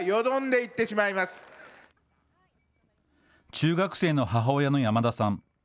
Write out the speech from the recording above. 中学生の母親の山田さん。